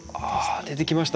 出てきました。